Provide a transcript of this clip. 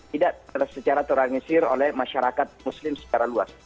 tidak secara terangisir oleh masyarakat muslim secara luas